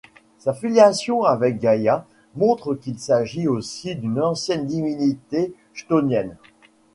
Sa filiation avec Gaïa montre qu'il s'agit aussi d'une ancienne divinité chtonienne.